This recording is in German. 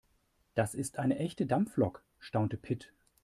Das ist eine echte Dampflok, staunte Pit.